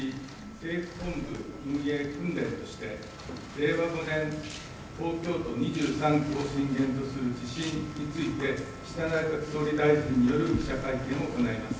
令和５年、東京都２３区を震源とする地震について岸田内閣総理大臣による記者会見を行います。